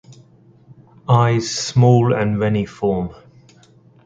Eyes small and reniform.